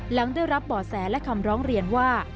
หลังได้รับบ่อแสและคำร้องเรียนว่า